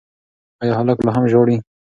ایا هلک لا هم ژاړي؟